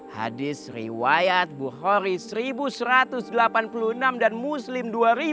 hadis riwayat bu horis seribu satu ratus delapan puluh enam dan muslim dua ribu sembilan puluh dua